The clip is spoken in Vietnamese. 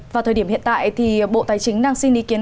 vào thời điểm hiện tại thì bộ tài chính đang xin ý kiến